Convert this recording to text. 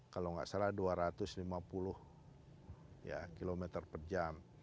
kalau nggak salah dua ratus lima puluh km per jam